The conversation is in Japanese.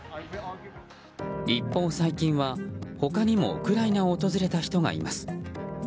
一方、最近は他にもウクライナを訪れた人がいます。